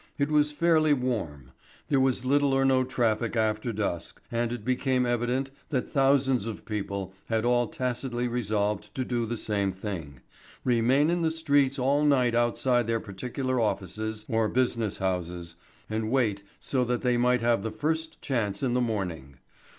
It was fairly warm: there was little or no traffic after dusk, and it became evident that thousands of people had all tacitly resolved to do the same thing remain in the streets all night outside their particular offices or business houses, and wait so that they might have the first chance in the morning.